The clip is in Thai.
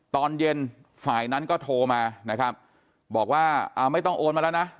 ตอนเย็นฝ่ายนั้นก็โทรมานะครับบอกว่าอ่าไม่ต้องโอนมาแล้วนะ